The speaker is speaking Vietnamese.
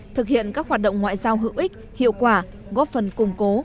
thực hiện các hoạt động ngoại giao hữu ích hiệu quả góp phần củng cố